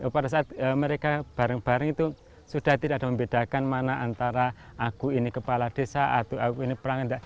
pada saat mereka bareng bareng itu sudah tidak ada membedakan mana antara aku ini kepala desa atau aku ini perang